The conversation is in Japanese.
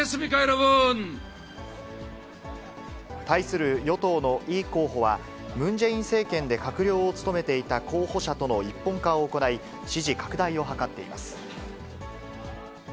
対する与党のイ候補は、ムン・ジェイン政権で閣僚を務めていた候補者との一本化を行い、支持拡大を図っています。